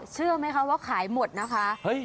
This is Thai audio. เชื่อไหมคะว่าขายหมดนะคะ